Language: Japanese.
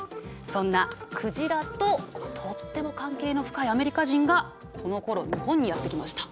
そんな鯨ととっても関係の深いアメリカ人がこのころ日本にやって来ました。